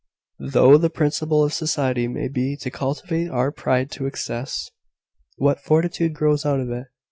Though the principle of society may be to cultivate our pride to excess, what fortitude grows out of it!